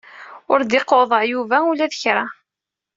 Ur d-iquḍeɛ Yuba ula kra.